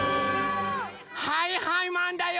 はいはいマンだよ！